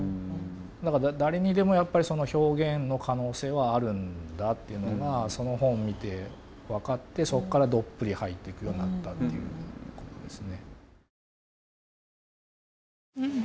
だから誰にでもやっぱりその表現の可能性はあるんだっていうのがその本見て分かってそっからどっぷり入っていくようになったっていうことですね。